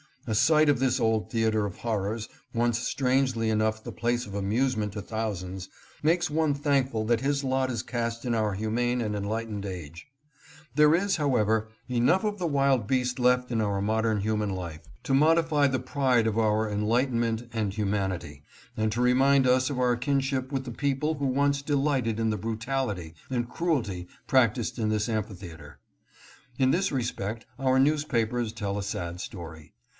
A sight of this old theater of horrors, once strangely enough the place of amusement to thousands, makes one thankful that his lot is cast in our humane and enlightened age. There is, however, enough of the wild beast left in our modern human life to modify the pride of our enlightenment dnd humanity, and to remind us of our kinship with the people who once delighted in the brutality and cruelty practiced in this amphitheater. In this respect our newspapers tell us a sad story.